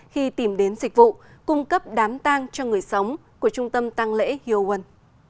khi tìm đến dịch vụ cung cấp đám tang cho người sống của trung tâm tang lễ hyo won